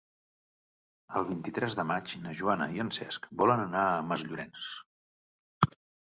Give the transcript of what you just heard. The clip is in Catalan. El vint-i-tres de maig na Joana i en Cesc volen anar a Masllorenç.